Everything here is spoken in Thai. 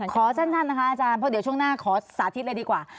ขอสั้นนะคะอาจารย์เพราะเดี๋ยวช่วงหน้าขอสาธิตเลยดีกว่า